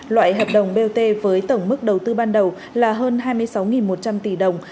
loại hợp đồng bot với tổng mức đầu tư ban đầu là hơn hai mươi sáu một trăm linh tỷ đồng